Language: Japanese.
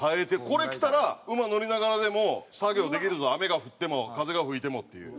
これ着たら馬乗りながらでも作業できるぞ雨が降っても風が吹いてもっていう。